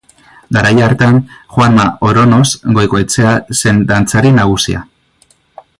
Garai hartan Juanma Oronoz Goikoetxea zen dantzari nagusia.